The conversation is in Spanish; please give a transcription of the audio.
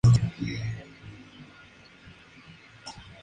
En casa de las Summers, Andrew es interrogado sobre El Primero.